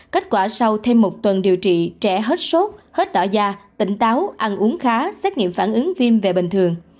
kết quả sau thêm một tuần điều trị trẻ hết sốt hết đỏ da tỉnh táo ăn uống khá xét nghiệm phản ứng viêm về bình thường